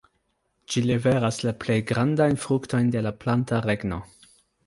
Ĝi liveras la plej grandajn fruktojn de la planta regno.